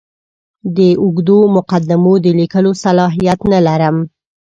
د اوږدو مقدمو د لیکلو صلاحیت نه لرم.